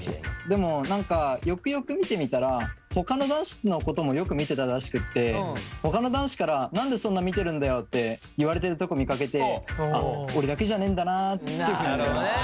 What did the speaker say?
でも何かよくよく見てみたらほかの男子のこともよく見てたらしくってほかの男子から「なんでそんな見てるんだよ」って言われてるとこ見かけてあっ俺だけじゃねえんだなっていうふうに思いました。